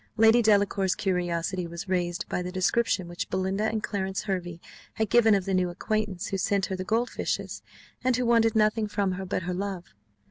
Lady Delacour's curiosity was raised by the description which Belinda and Clarence Hervey had given of the new acquaintance who sent her the gold fishes, and who wanted nothing from her but her love.